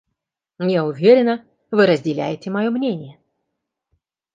Я уверена, вы разделяете мое мнение.